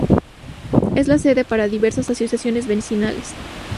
Es la sede para diversas asociaciones vecinales.